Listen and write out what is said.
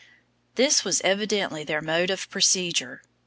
This was evidently their mode of procedure.